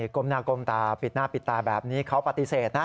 ก้มหน้าก้มตาปิดหน้าปิดตาแบบนี้เขาปฏิเสธนะ